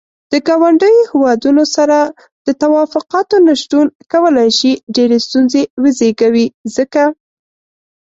د ګاونډيو هيوادونو سره د تووافقاتو نه شتون کولاي شي ډيرې ستونزې وزيږوي ځکه.